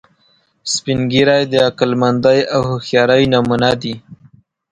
سپین ږیری د عقلمندۍ او هوښیارۍ نمونه دي